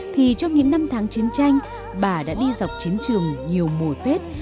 thì trong những năm tháng chiến tranh bà đã đi dọc chiến trường nhiều mùa tết